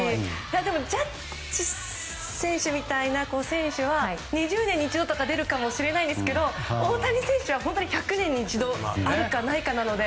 でも、ジャッジ選手みたいな選手は２０年に一度とか出るかもしれませんが大谷選手は１００年に一度あるかないかなので。